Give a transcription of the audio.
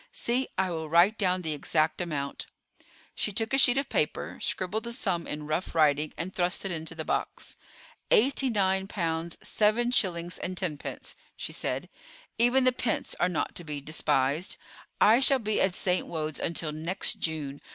See, I will write down the exact amount." She took a sheet of paper, scribbled the sum in rough writing, and thrust it into the box. "Eighty nine pounds, seven shillings, and tenpence," she said. "Even the pence are not to be despised. I shall be at St. Wode's until next June.